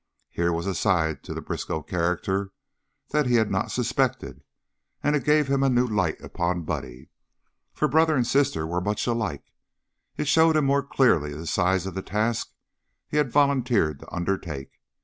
Here was a side to the Briskow character that he had not suspected, and it gave him a new light upon Buddy, for brother and sister were much alike; it showed him more clearly the size of the task he had volunteered to undertake.